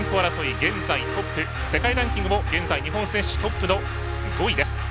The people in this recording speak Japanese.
現在トップ、世界ランキングも現在、日本選手トップの５位です。